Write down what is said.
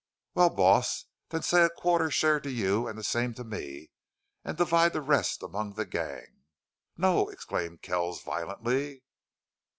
"Well, boss, then say a quarter share to you and the same to me and divide the rest among the gang." "No!" exclaimed Kells, violently.